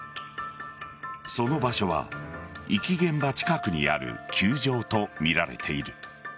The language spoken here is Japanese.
その場所は遺棄現場近くにある球場とみられている。